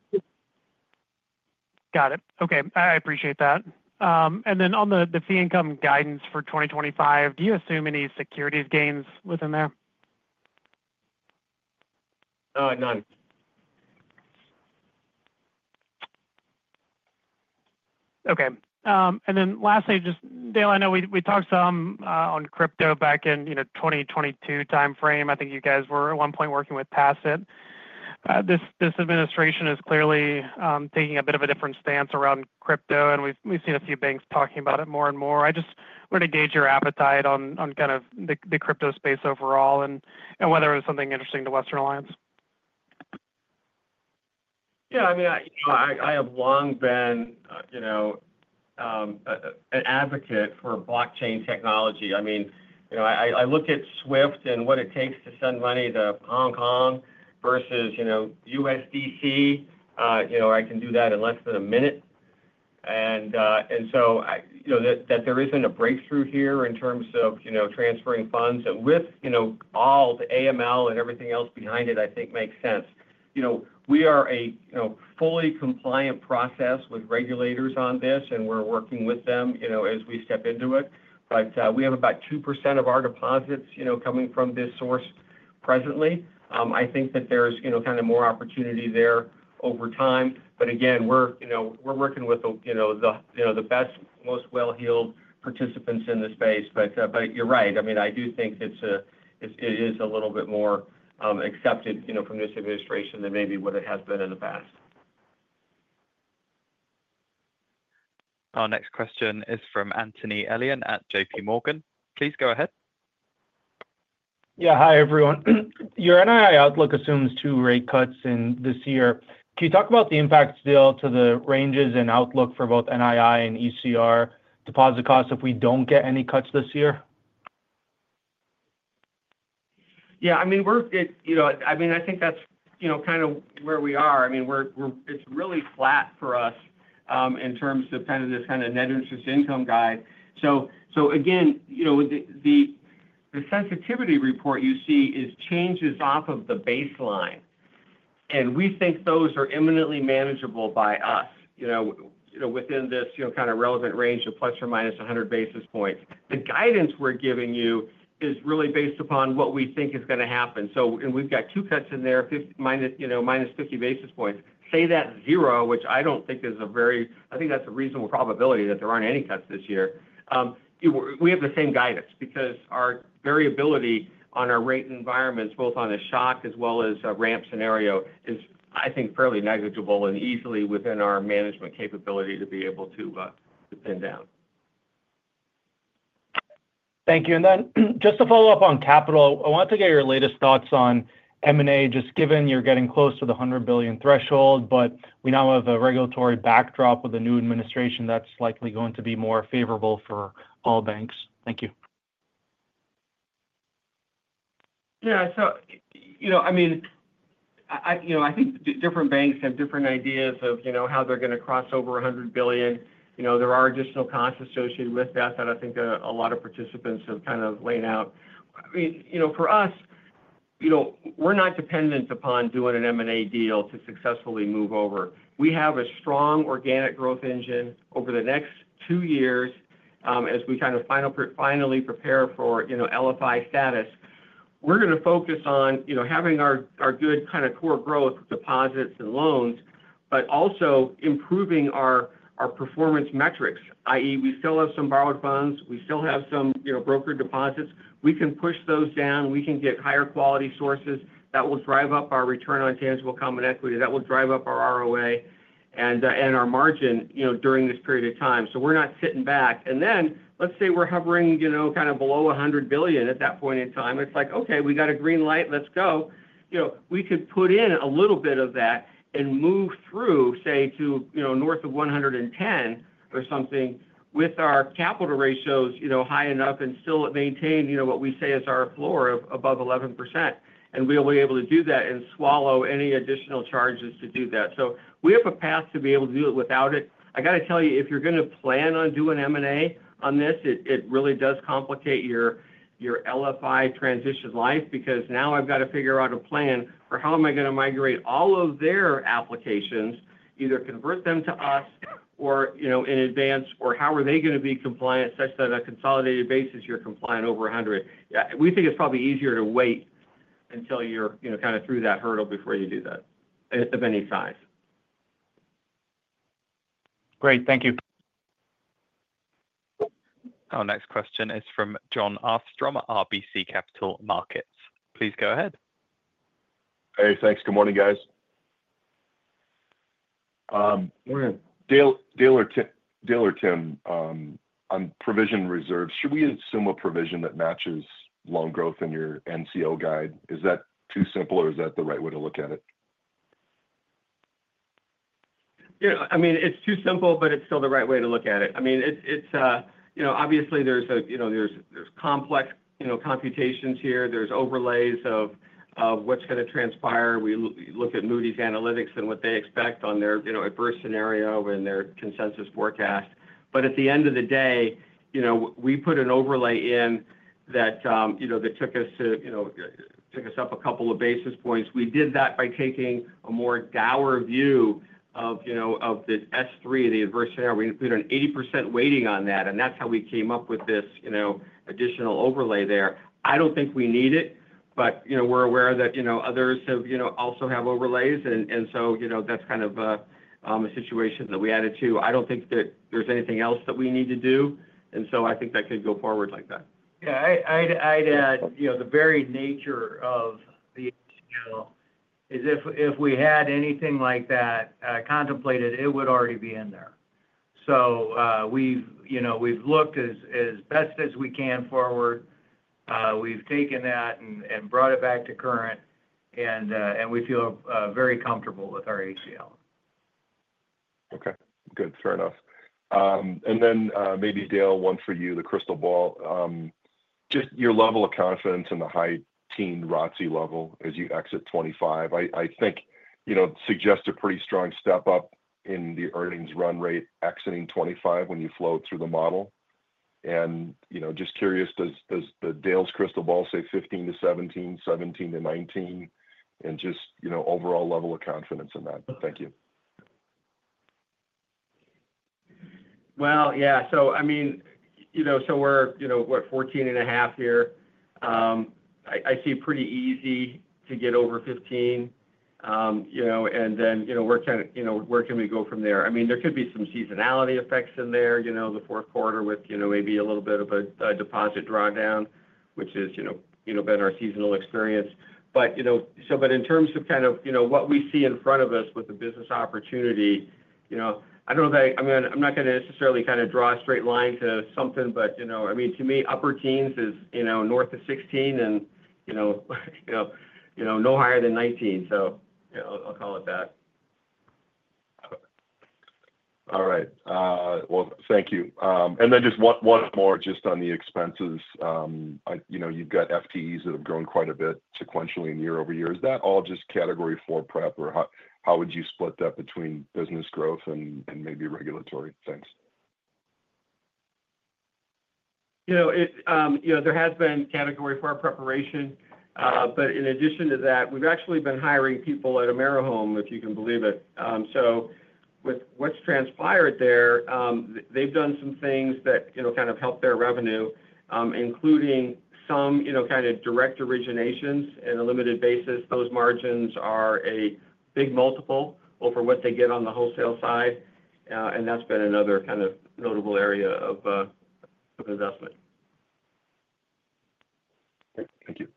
M: Got it. Okay. I appreciate that. And then on the fee income guidance for 2025, do you assume any securities gains within there?
C: None.
M: Okay. And then lastly, just Dale, I know we talked some on crypto back in 2022 timeframe. I think you guys were at one point working with Tassat. This administration is clearly taking a bit of a different stance around crypto, and we've seen a few banks talking about it more and more. I just wanted to gauge your appetite on kind of the crypto space overall and whether it was something interesting to Western Alliance.
C: Yeah. I mean, I have long been an advocate for blockchain technology. I mean, I look at SWIFT and what it takes to send money to Hong Kong versus USDC. I can do that in less than a minute. And so, that there isn't a breakthrough here in terms of transferring funds. And with all the AML and everything else behind it, I think makes sense. We are a fully compliant process with regulators on this, and we're working with them as we step into it. But we have about 2% of our deposits coming from this source presently. I think that there's kind of more opportunity there over time. But again, we're working with the best, most well-heeled participants in the space. But you're right. I mean, I do think it is a little bit more accepted from this administration than maybe what it has been in the past.
A: Our next question is from Anthony Elian at J.P. Morgan. Please go ahead.
N: Yeah. Hi, everyone. Your NII outlook assumes two rate cuts in this year. Can you talk about the impact, Dale, to the ranges and outlook for both NII and ECR deposit costs if we don't get any cuts this year?
C: Yeah. I mean, I think that's kind of where we are. I mean, it's really flat for us in terms of kind of this kind of net interest income guide. So again, the sensitivity report you see changes off of the baseline. And we think those are eminently manageable by us within this kind of relevant range of plus or minus 100 basis points. The guidance we're giving you is really based upon what we think is going to happen. And we've got two cuts in there, minus 50 basis points. Say that's zero, which I don't think is a very—I think that's a reasonable probability that there aren't any cuts this year. We have the same guidance because our variability on our rate environments, both on a shock as well as a ramp scenario, is, I think, fairly negligible and easily within our management capability to be able to pin down.
N: Thank you. And then just to follow up on capital, I wanted to get your latest thoughts on M&A, just given you're getting close to the $100 billion threshold, but we now have a regulatory backdrop with a new administration that's likely going to be more favorable for all banks? Thank you.
C: Yeah. So, I mean, I think different banks have different ideas of how they're going to cross over $100 billion. There are additional costs associated with that that I think a lot of participants have kind of laid out. I mean, for us, we're not dependent upon doing an M&A deal to successfully move over. We have a strong organic growth engine over the next two years as we kind of finally prepare for LFI status. We're going to focus on having our good kind of core growth deposits and loans, but also improving our performance metrics, i.e., we still have some borrowed funds. We still have some brokered deposits. We can push those down. We can get higher quality sources that will drive up our return on tangible common equity. That will drive up our ROA and our margin during this period of time. So we're not sitting back. And then let's say we're hovering kind of below 100 billion at that point in time. It's like, "Okay. We got a green light. Let's go." We could put in a little bit of that and move through, say, to north of 110 or something with our capital ratios high enough and still maintain what we say is our floor of above 11%. And we'll be able to do that and swallow any additional charges to do that. So we have a path to be able to do it without it. I got to tell you, if you're going to plan on doing M&A on this, it really does complicate your LFI transition life because now I've got to figure out a plan for how am I going to migrate all of their applications, either convert them to us or in advance, or how are they going to be compliant such that on a consolidated basis, you're compliant over 100? We think it's probably easier to wait until you're kind of through that hurdle before you do that, of any size.
N: Great. Thank you.
A: Our next question is from Jon Arfstrom at RBC Capital Markets. Please go ahead.
O: Hey. Thanks. Good morning, guys. Dale or Tim on provision reserves. Should we assume a provision that matches loan growth in your NCO guide? Is that too simple, or is that the right way to look at it?
C: Yeah. I mean, it's too simple, but it's still the right way to look at it. I mean, obviously, there's complex computations here. There's overlays of what's going to transpire. We look at Moody's Analytics and what they expect on their adverse scenario and their consensus forecast. But at the end of the day, we put an overlay in that took us up a couple of basis points. We did that by taking a more dour view of the S3, the adverse scenario. We put an 80% weighting on that, and that's how we came up with this additional overlay there. I don't think we need it, but we're aware that others also have overlays, and so that's kind of a situation that we added to. I don't think that there's anything else that we need to do, and so I think that could go forward like that.
E: Yeah. I'd add the very nature of the NCO is if we had anything like that contemplated, it would already be in there. So we've looked as best as we can forward. We've taken that and brought it back to current, and we feel very comfortable with our ACL.
O: Okay. Good. Fair enough. And then maybe, Dale, one for you, the crystal ball. Just your level of confidence and the high-teen ROTCE level as you exit 2025, I think suggests a pretty strong step up in the earnings run rate exiting 2025 when you flow through the model. And just curious, does Dale's crystal ball say 15-17, 17-19, and just overall level of confidence in that? Thank you.
C: Well, yeah. So I mean, so we're what, 14 and a half here? I see pretty easy to get over 15. And then where can we go from there? I mean, there could be some seasonality effects in there, the fourth quarter with maybe a little bit of a deposit drawdown, which has been our seasonal experience. But in terms of kind of what we see in front of us with the business opportunity, I don't know that I'm not going to necessarily kind of draw a straight line to something, but I mean, to me, upper teens is north of 16 and no higher than 19. So I'll call it that.
O: All right. Well, thank you. And then just one more just on the expenses. You've got FTEs that have grown quite a bit sequentially in year over year. Is that all just Category IV prep, or how would you split that between business growth and maybe regulatory. Thanks.
C: There has been Category IV preparation. But in addition to that, we've actually been hiring people at AmeriHome, if you can believe it. So with what's transpired there, they've done some things that kind of helped their revenue, including some kind of direct originations and a limited basis. Those margins are a big multiple over what they get on the wholesale side. And that's been another kind of notable area of investment.
O: Okay. Thank you.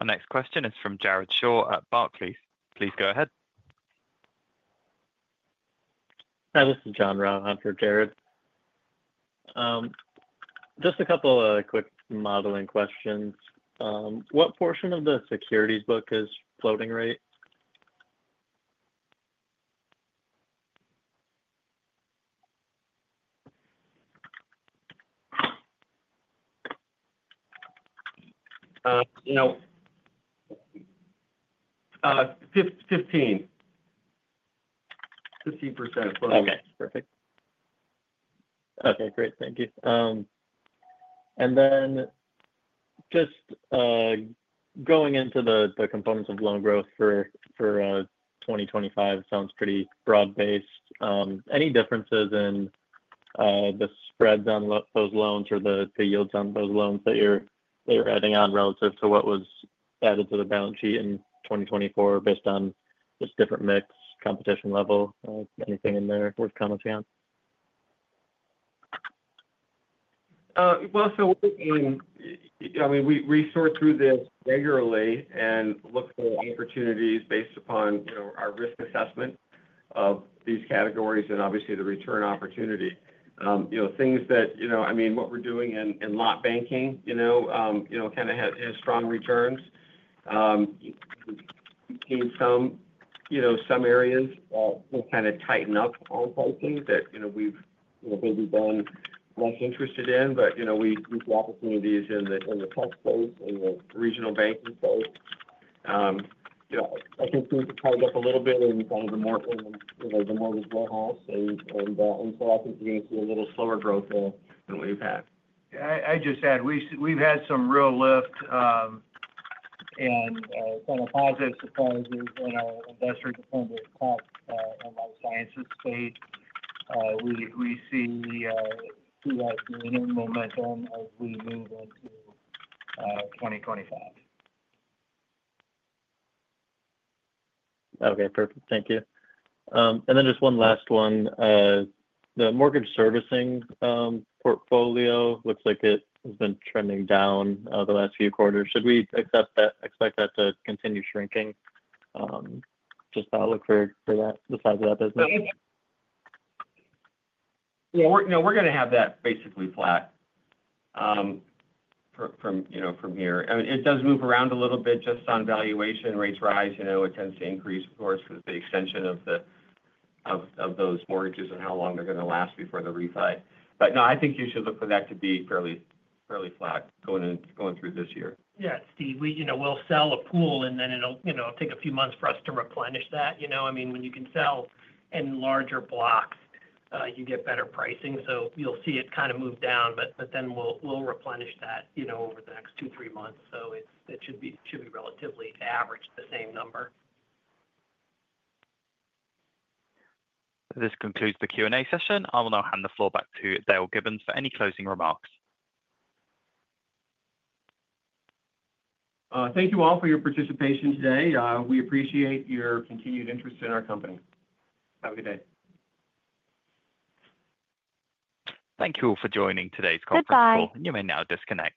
A: Our next question is from Jared Shaw at Barclays. Please go ahead.
P: Hi. This is John Richert for Jared. Just a couple of quick modeling questions. What portion of the securities book is floating rate?
C: 15%. 15% floating rate.
P: Okay. Perfect.
C: Okay. Great. Thank you.
P: And then just going into the components of loan growth for 2025, it sounds pretty broad-based. Any differences in the spreads on those loans or the yields on those loans that you're adding on relative to what was added to the balance sheet in 2024 based on just different mix competition level? Anything in there worth commenting on?
C: Well, so I mean, we sort through this regularly and look for opportunities based upon our risk assessment of these categories and obviously the return opportunity. Things that, I mean, what we're doing in local banking kind of has strong returns. We've seen some areas that will kind of tighten up on pricing that we've maybe been less interested in, but we see opportunities in the tech space and the regional banking space. I think we could tighten up a little bit in kind of the Mortgage Warehouse. And so I think we're going to see a little slower growth there than what we've had.
D: Yeah. I just add we've had some real lift and kind of positive surprises in our venture-dependent tech and life sciences space. We see that gaining momentum as we move into 2025.
P: Okay. Perfect. Thank you. And then just one last one. The Mortgage Servicing portfolio looks like it has been trending down the last few quarters. Should we expect that to continue shrinking? Just look for the size of that business.
C: Yeah. We're going to have that basically flat from here. I mean, it does move around a little bit just on valuation. Rates rise. It tends to increase, of course, with the extension of those mortgages and how long they're going to last before the refi. But no, I think you should look for that to be fairly flat going through this year.
D: Yeah. Steve, we'll sell a pool, and then it'll take a few months for us to replenish that. I mean, when you can sell in larger blocks, you get better pricing. So you'll see it kind of move down, but then we'll replenish that over the next two, three months. So it should be relatively average, the same number.
A: This concludes the Q&A session. I will now hand the floor back to Dale Gibbons for any closing remarks.
C: Thank you all for your participation today. We appreciate your continued interest in our company. Have a good day.
A: Thank you all for joining today's conference call. Goodbye. You may now disconnect.